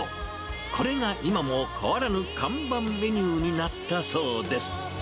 これが今も変わらぬ看板メニューになったそうです。